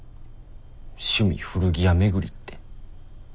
趣味古着屋巡りって。